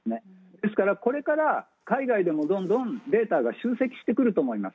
ですから、これから海外でもどんどんデータが集積してくると思います。